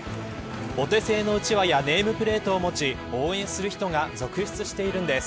お手製のうちわやネームプレートを持ち応援する人が続出しているんです。